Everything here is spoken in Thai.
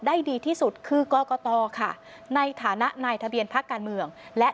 ดีที่สุดคือกรกตค่ะในฐานะนายทะเบียนพักการเมืองและ